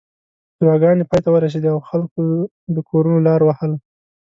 دعاګانې پای ته ورسېدې او خلکو د کورونو لار وهله.